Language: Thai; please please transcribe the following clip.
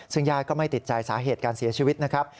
ซึ่งญาติก็ไม่ติดใจสาเหตุการเสียชีวิตนะครับ